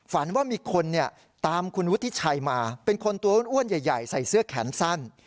ฝันว่ามีคนเนี่ยตามคุณวุฒิชัยมาเป็นคนตัวอ้วนใหญ่ใส่เสื้อแขนสั้น